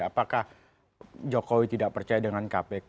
apakah jokowi tidak percaya dengan kpk